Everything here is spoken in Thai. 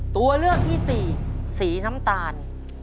ตัวเลือกที่สี่สีน้ำตาล